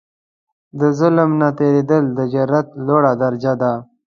له ظلم نه تېرېدل، د جرئت لوړه درجه ده.